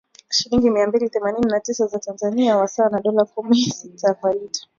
shilingi mia mbili themanini na tisa za Tanzania wasa na dola kumi sita kwa lita